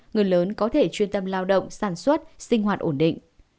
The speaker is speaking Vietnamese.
người lớn có thể chuyên tâm lao động sản xuất sinh hoạt ổn định